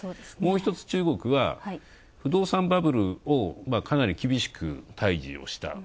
もう１つ中国は不動産バブルをかなり厳しく対峙をした。